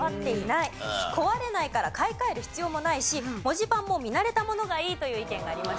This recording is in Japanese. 壊れないから買い替える必要もないし文字盤も見慣れたものがいいという意見がありました。